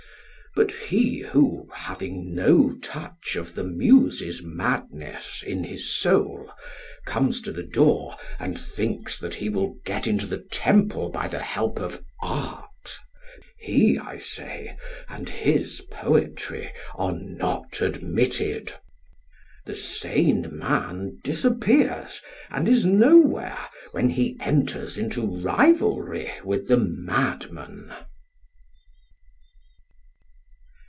But he who, having no touch of the Muses' madness in his soul, comes to the door and thinks that he will get into the temple by the help of art he, I say, and his poetry are not admitted; the sane man disappears and is nowhere when he enters into rivalry with the madman.